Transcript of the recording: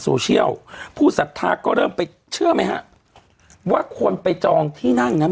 โซเชียลผู้สัทธาก็เริ่มไปเชื่อไหมฮะว่าคนไปจองที่นั่งนั้น